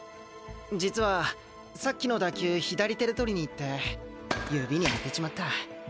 実はさっきの打球左手で捕りにいって指にあてちまった。